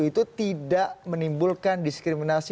itu tidak menimbulkan diskriminasi